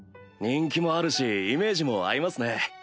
人気もあるしイメージも合いますね。